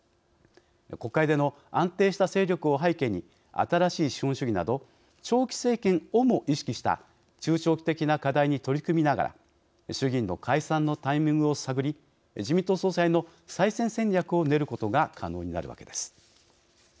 国会での安定した勢力を背景に新しい資本主義など長期政権をも意識した中長期的な課題に取り組みながら衆議院の解散のタイミングを探り自民党総裁の再選戦略を練ることが可能になるわけです。